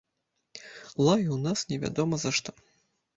Лаяў нас невядома за што.